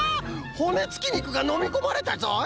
ほねつきにくがのみこまれたぞい！